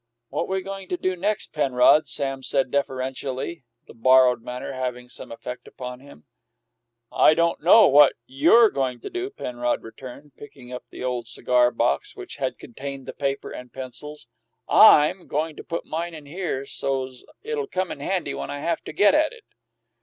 "What we goin' do next, Penrod?" Sam asked deferentially, the borrowed manner having some effect upon him. "I don't know what you're goin' to do," Penrod returned, picking up the old cigar box which had contained the paper and pencils. "I'm goin' to put mine in here, so's it'll come in handy when I haf to get at it."